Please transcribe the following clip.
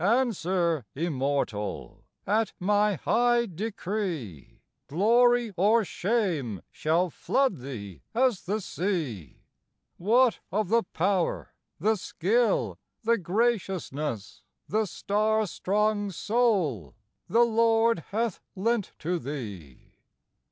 'Answer, Immortal! at my high decree Glory or shame shall flood thee as the sea: What of the power, the skill, the graciousness, The star strong soul the Lord hath lent to thee?